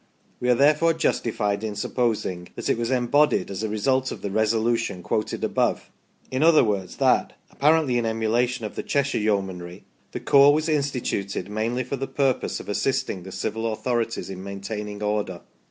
We are therefore justified in supposing that it was embodied as the result of the Resolution quoted above ; in other words, that (appar ently in emulation of the Cheshire Yeomanry) the corps was instituted mainly for the purpose of assisting the civil authorities in maintaining order.